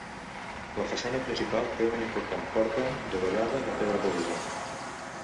La façana principal té una important porta dovellada de pedra polida.